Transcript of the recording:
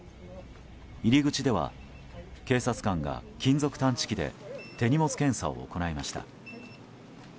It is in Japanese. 入り口では警察官が金属探知機で手荷物検査を行いました。